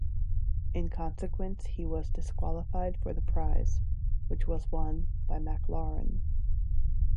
In consequence he was disqualified for the prize, which was won by Maclaurin.